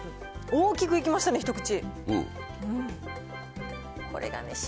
大きくいきましたね、一口。